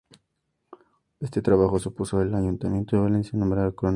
Este trabajo supuso que el Ayuntamiento de Valencia lo nombrara cronista oficial.